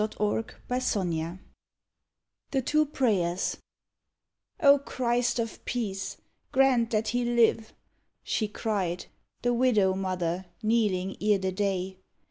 138 ON THE GREAT WAR THE TWO PRAYERS "O Christ of peace, grant that he live!" she cried The widow mother kneeling ere the day.